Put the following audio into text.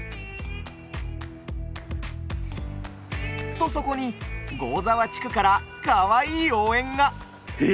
とそこに合沢地区からかわいい応援が。え？